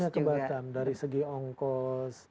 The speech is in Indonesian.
saya ke batam dari segi ongkos